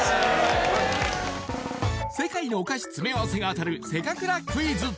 世界のお菓子詰め合わせが当たるせかくらクイズ